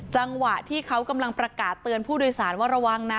จังหวะที่เขากำลังประกาศเตือนผู้โดยสารว่าระวังนะ